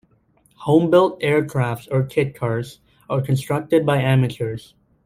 Homebuilt aircraft or kit cars are constructed by amateurs.